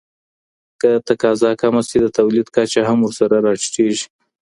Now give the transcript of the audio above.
که تقاضا کمه سي د تولید کچه هم ورسره راټیټیږي.